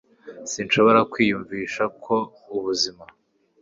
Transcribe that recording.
Sinshobora kwiyumvisha uko ubuzima